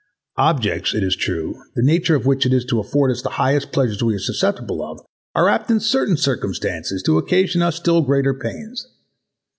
Objects, it is true, the nature of which it is to afford us the highest pleasures we are susceptible of are apt in certain circumstances to occasion us still greater pains.